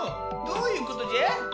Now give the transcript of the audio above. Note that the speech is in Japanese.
どういうことじゃ？